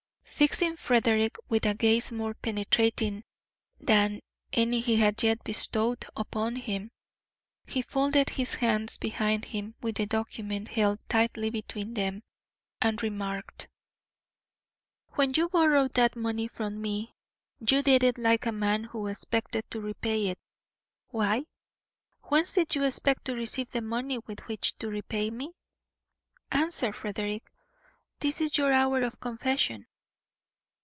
Fixing Frederick with a gaze more penetrating than any he had yet bestowed upon him, he folded his hands behind him with the document held tightly between them, and remarked: "When you borrowed that money from me you did it like a man who expected to repay it. Why? Whence did you expect to receive the money with which to repay me? Answer, Frederick; this is your hour for confession."